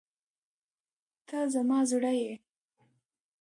ته زما زړه یې.